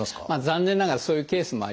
残念ながらそういうケースもあります。